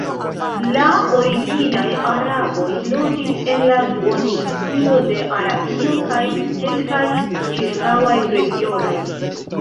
La originaj araboj loĝis en la duoninsulo de Arabio kaj kelkaj ĉirkaŭaj regionoj.